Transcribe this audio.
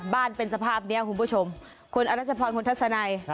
สภาพเป็นสภาพนี้คุณผู้ชมคุณอรัชพรคุณทัศนัย